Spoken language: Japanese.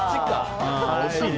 惜しいね。